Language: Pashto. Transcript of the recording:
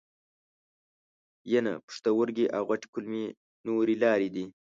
ینه، پښتورګي او غټې کولمې نورې لارې دي.